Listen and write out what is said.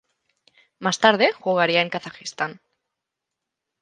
Más tarde, jugaría en Kazajistán.